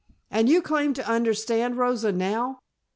"And you claim to understand Rosa now?"